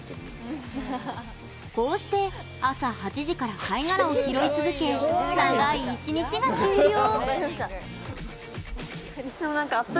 こうして朝８時から貝殻を拾い続け、長い１日が終了。